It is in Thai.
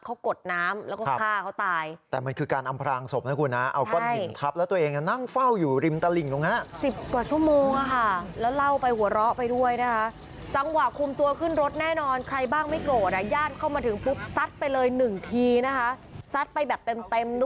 คือผู้ก่อเหพยายามบอกว่าผู้ตายมากรอกวนก่อน